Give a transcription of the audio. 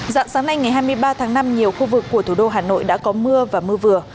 dạng sáng nay ngày hai mươi ba tháng năm nhiều khu vực của thủ đô hà nội đã có mưa và mưa vừa